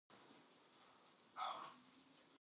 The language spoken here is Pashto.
زه له مشرانو څخه مشوره اخلم.